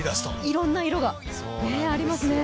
いろんな色がありますね。